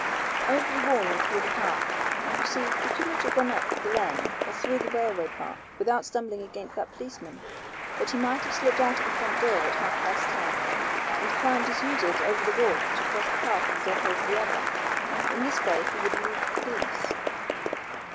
"Over the wall and through the park. You see, he could not have gone up the lane or through the railway path without stumbling against that policeman. But he might have slipped out of the front door at half past ten and climbed as you did over the wall to cross the park and drop over the other. In this way he would elude the police."